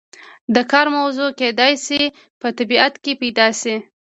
د کار موضوع کیدای شي په طبیعت کې پیدا شي.